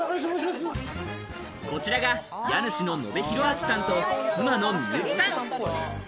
こちらが家主の野辺裕章さんと、妻のみゆきさん。